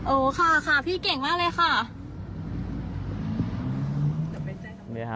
โอ้ค่ะค่ะพี่เก่งมากเลยค่ะ